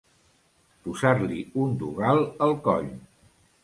Posar-li un dogal al coll.